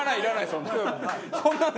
そんなの。